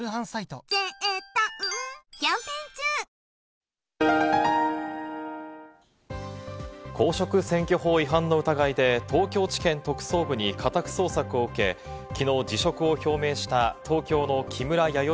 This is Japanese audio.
「ロリエ」公職選挙法違反の疑いで東京地検特捜部に家宅捜索を受け、きのう辞職を表明した東京の木村弥生